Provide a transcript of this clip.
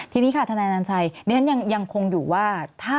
ทีนี้ค่ะทนายอนัญชัยดิฉันยังคงอยู่ว่า